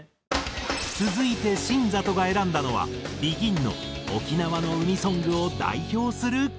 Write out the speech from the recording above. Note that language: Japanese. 続いて新里が選んだのはＢＥＧＩＮの沖縄の海ソングを代表する曲。